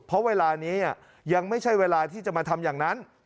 เพราะเวลานี้ยังไม่ใช่เวลาที่จะมาทำอย่างนั้น